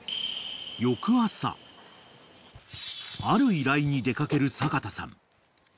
［ある依頼に出掛ける阪田さん］